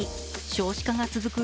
少子化が続く